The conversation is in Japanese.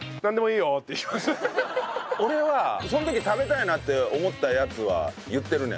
俺はその時食べたいなって思ったやつは言ってるね。